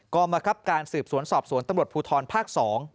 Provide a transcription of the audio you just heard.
กรรมคับการสืบสวนสอบสวนตำรวจภูทรภาค๒